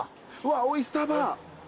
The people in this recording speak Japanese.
オイスターバー。